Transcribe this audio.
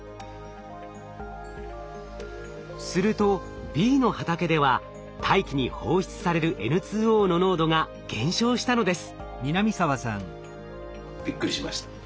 するとＢの畑では大気に放出されるＮＯの濃度が減少したのです。